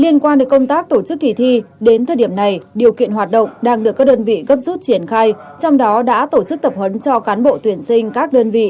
liên quan đến công tác tổ chức kỳ thi đến thời điểm này điều kiện hoạt động đang được các đơn vị gấp rút triển khai trong đó đã tổ chức tập huấn cho cán bộ tuyển sinh các đơn vị